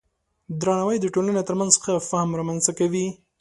درناوی د ټولنې ترمنځ ښه فهم رامنځته کوي.